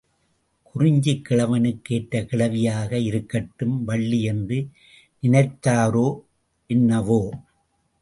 குறிஞ்சிக் கிழவனுக்கு ஏற்ற கிழவியாக இருக்கட்டும் வள்ளி, என்று நினைத்தாரோ என்னவோ!